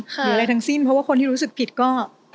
หรืออะไรทั้งสิ้นเพราะว่าคนที่รู้สึกผิดก็